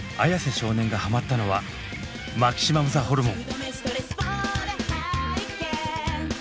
少年がハマったのはマキシマムザホルモン。